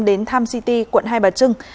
đến tham city quận hai bà trưng